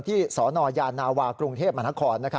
สนยานาวากรุงเทพมหานคร